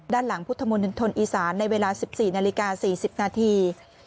ด้านหลังพุทธมนตรอีสานในเวลา๑๔นาฬิกา๔๐นาที